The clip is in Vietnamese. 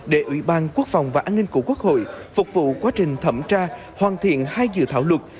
để ủy ban quốc phòng và an ninh của quốc hội phục vụ quá trình thẩm tra hoàn thiện hai dự thảo luật